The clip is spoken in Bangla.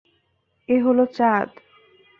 এ হলো চাঁদ।